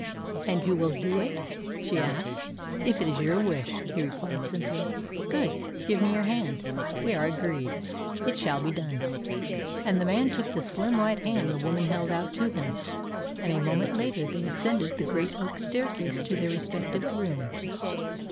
"And you will do it?" she asked. "If it is your wish," he replied simply. "Good! Give me your hand. We are agreed. It shall be done." And the man took the slim white hand the woman held out to him, and a moment later they ascended the great oak staircase to their respective rooms.